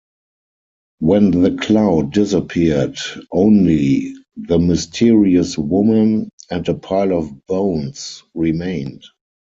When the cloud disappeared, only the mysterious woman and a pile of bones remained.